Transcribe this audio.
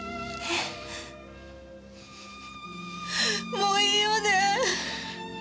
もういいよね？